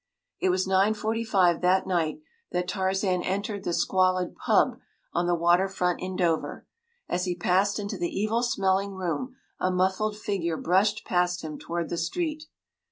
It was nine forty five that night that Tarzan entered the squalid “pub” on the water front in Dover. As he passed into the evil smelling room a muffled figure brushed past him toward the street.